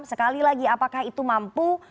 sekali lagi apakah itu mampu